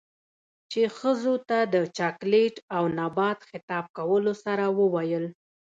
،چـې ښـځـو تـه د چـاکـليـت او نـبات خـطاب کـولـو سـره وويل.